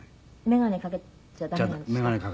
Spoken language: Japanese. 眼鏡かけちゃ駄目なんですか？